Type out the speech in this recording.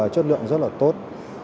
chất lượng rất là tốt